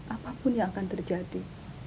apapun yang akan terjadi